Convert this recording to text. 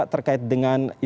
terkait dengan yang dikatakan